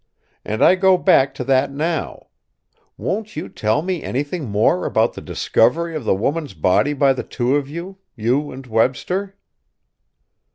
And I go back to that now: won't you tell me anything more about the discovery of the woman's body by the two of you you and Webster?"